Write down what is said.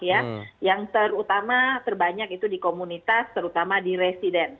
yang terutama terbanyak itu di komunitas terutama di resident